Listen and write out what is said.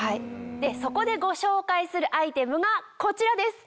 そこでご紹介するアイテムがこちらです。